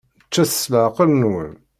Ččet s leɛqel-nwen.